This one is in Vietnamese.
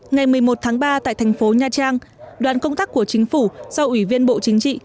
ngày một mươi một tháng ba tại thành phố nha trang đoàn công tác của chính phủ do ủy viên bộ chính trị